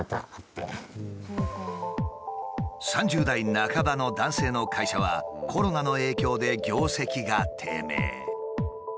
３０代半ばの男性の会社はコロナの影響で業績が低迷。